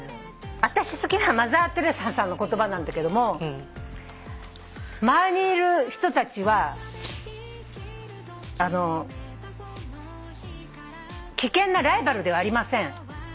私好きなマザー・テレサさんの言葉なんだけども「周りにいる人たちは危険なライバルではありません」